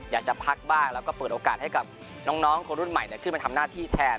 อยากจะพักบ้างแล้วก็เปิดโอกาสให้กับน้องคนรุ่นใหม่ขึ้นมาทำหน้าที่แทน